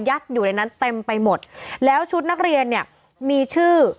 อยู่ในนั้นเต็มไปหมดแล้วชุดนักเรียนเนี่ยมีชื่อ